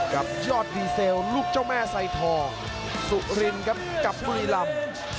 กับยอดดีเซลลูกเจ้าแม่ไซทองสุรินครับกับบุรีรำ